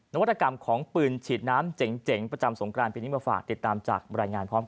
นวัตกรรมของปืนฉีดน้ำเจ๋งประจำสงกราร